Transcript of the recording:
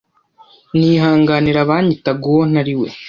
nihanganira abanyitaga uwo ntari we